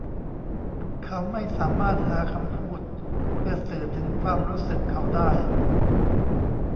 เขาไม่สามารถหาคำพูดเพื่อสื่อถึงความรู้สึกเขาได้